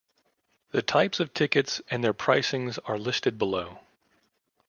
The types of tickets and their pricings are listed below.